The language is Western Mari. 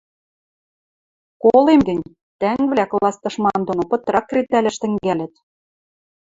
— Колем гӹнь, тӓнгвлӓ класс тышман доно пытрак кредӓлӓш тӹнгӓлӹт.